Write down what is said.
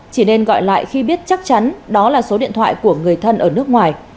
chỉ nên gọi lại khi biết chắc chắn đó là số điện thoại của người thân ở nước ngoài